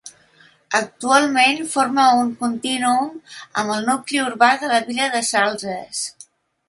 Actualment forma un contínuum amb el nucli urbà de la vila de Salses.